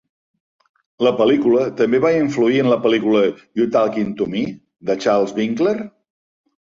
La pel·lícula també va influir en la pel·lícula "You Talkin 'to Me?" de Charles Winkler.